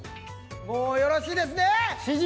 もうよろしいですね？